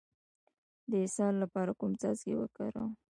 د اسهال لپاره کوم څاڅکي وکاروم؟